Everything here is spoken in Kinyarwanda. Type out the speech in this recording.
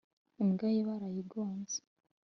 Imbwa ye barayigonze